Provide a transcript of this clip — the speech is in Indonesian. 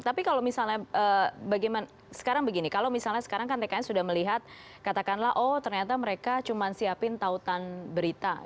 tapi kalau misalnya bagaimana sekarang begini kalau misalnya sekarang kan tkn sudah melihat katakanlah oh ternyata mereka cuma siapin tautan berita